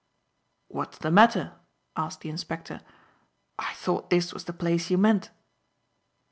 "What's the matter?" asked the inspector. "I thought this was the place you meant."